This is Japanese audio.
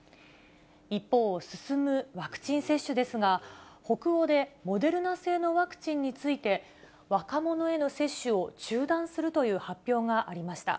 一方、進むワクチン接種ですが、北欧でモデルナ製のワクチンについて、若者への接種を中断するという発表がありました。